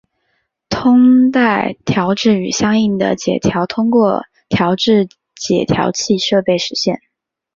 通带调制与相应的解调通过调制解调器设备实现。